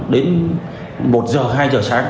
đến một giờ hai giờ sáng